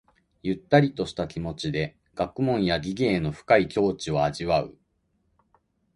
ゆったりとした気持ちで学問や技芸の深い境地を味わう。